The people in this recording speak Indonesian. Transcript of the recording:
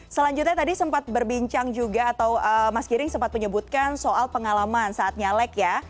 selanjutnya tadi sempat berbincang juga atau mas giring sempat menyebutkan soal pengalaman saat nyalek ya